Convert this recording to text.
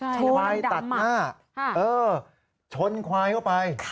ควายตัดหน้าชนควายเข้าไป